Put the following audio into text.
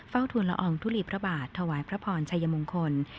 เฝ้าทุนละอองทุลีพระบาทถวายพระผ่อนชัยมงคล